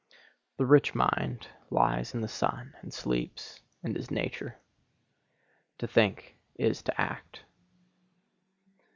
The rich mind lies in the sun and sleeps, and is Nature. To think is to act.